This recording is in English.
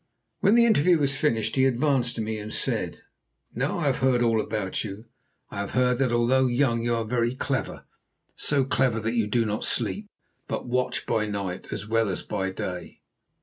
When the interview was finished he advanced to me and said: "Now I have heard all about you. I have heard that although young you are very clever, so clever that you do not sleep, but watch by night as well as by day.